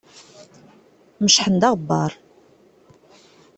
Mecḥen-d aɣebbar.